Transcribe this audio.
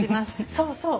そうそう。